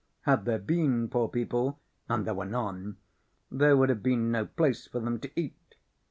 Had there been poor people (and there were none) there would have been no place for them to eat.